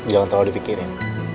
jangan terlalu dipikirin